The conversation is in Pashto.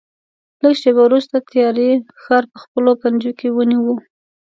لږ شېبه وروسته تیارې ښار په خپلو پنجو کې ونیو.